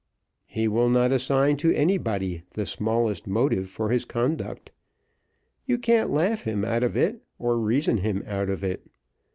He will not assign to anybody the smallest motive for his conduct. You can't laugh him out of it or reason him out of it.